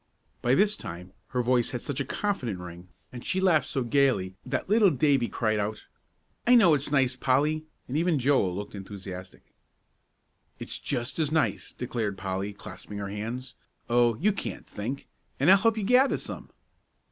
By this time her voice had such a confident ring, and she laughed so gayly, that little Davie cried out, "I know it's nice, Polly," and even Joel looked enthusiastic. "It's just as nice," declared Polly, clasping her hands. "Oh, you can't think! And I'll help you gather some."